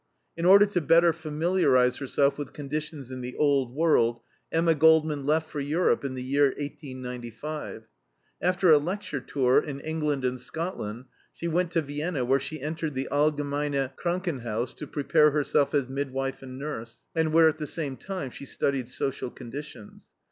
In order to better familiarize herself with conditions in the old world, Emma Goldman left for Europe, in the year 1895. After a lecture tour in England and Scotland, she went to Vienna where she entered the ALLGEMEINE KRANKENHAUS to prepare herself as midwife and nurse, and where at the same time she studied social conditions.